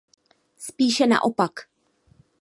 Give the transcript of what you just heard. Spíše naopak.